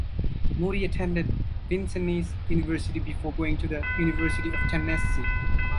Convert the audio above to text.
Moodie attended Vincennes University before going to the University of Tennessee.